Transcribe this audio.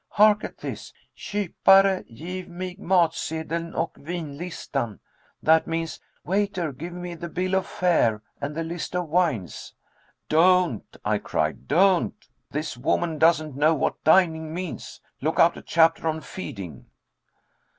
Hark at this: 'Kypare gif mig matsedeln och vinlistan.' That means: 'Waiter, give me the bill of fare, and the list of wines.'" "Don't," I cried; "don't. This woman doesn't know what dining means. Look out a chapter on feeding."